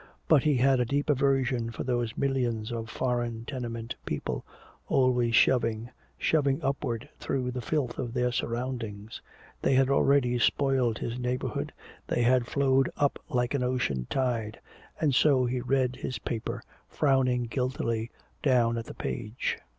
But he had a deep aversion for those millions of foreign tenement people, always shoving, shoving upward through the filth of their surroundings. They had already spoiled his neighborhood, they had flowed up like an ocean tide. And so he read his paper, frowning guiltily down at the page.